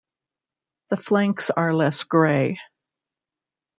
The flanks are less grey.